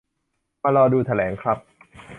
มารอดูแถลงครับ